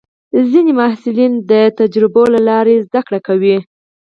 ځینې محصلین د تجربو له لارې زده کړه کوي.